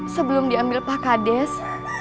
sebelum diambil pak kades